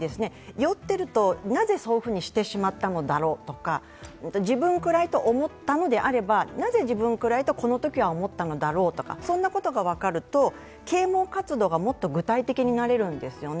酔っているとなぜそうしてしまったのだろうとか、自分くらいと思ったのであれば、なぜ自分くらいとこのときは思ったのだろうとかそんなことが分かると啓蒙活動がもっと具体的になれるんですよね。